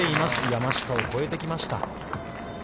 山下を越えてきました。